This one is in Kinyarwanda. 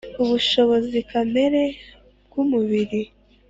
Ubushobozi kamere bw umubiri